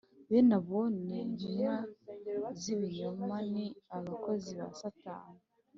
Bene abo ni intumwa z ibinyoma ni abakozi ba satani